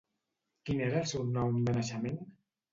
Quin era el seu nom de naixement?